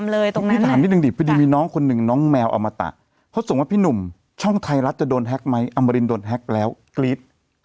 พี่ถามนิดนึงพอดีมีน้องแมวอมตะเขาส่งว่าพี่หนุ่มช่องไทยรัฐจะโดนแฮกไหมอำมารินโดนแฮกแล้วกรี๊ด